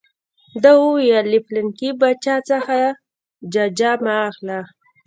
ده وویل له پلانکي باچا څخه ججه مه اخلئ.